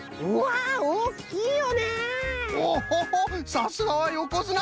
さすがはよこづな！